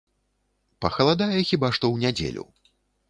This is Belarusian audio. Пахаладае хіба што ў нядзелю.